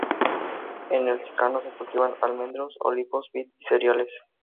En el secano se cultivan almendros, olivos, vid y cereales.